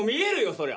そりゃ。